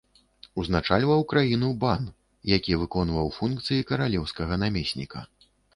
Узначальваў краіну бан, які выконваў функцыі каралеўскага намесніка.